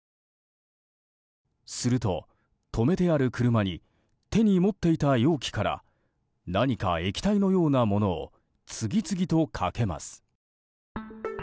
すると止めてある車に手に持っていた容器から何か液体のようなものを次々とかけます。